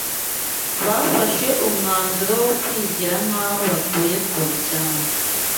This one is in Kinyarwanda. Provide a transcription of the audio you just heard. Bafashe umwanzuro wo kwigira nk’aho batuye kure cyane